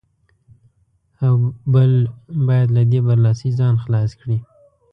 او بل باید له دې برلاسۍ ځان خلاص کړي.